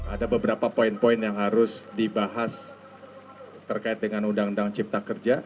ada beberapa poin poin yang harus dibahas terkait dengan undang undang cipta kerja